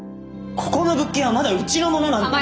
ここの物件はまだうちのものなんだ。